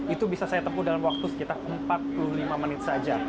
itu bisa saya tempuh dalam waktu sekitar empat puluh lima menit saja